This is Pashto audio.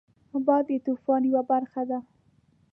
باد د طوفان یو برخه ده